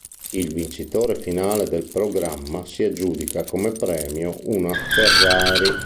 Il vincitore finale del programma si aggiudica come premio una Ferrari.